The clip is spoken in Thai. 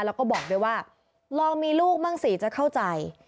แล้วก็บอกด้วยว่าลองมีลูกบ้างสิจะเข้าใจ